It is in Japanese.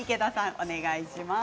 お願いします。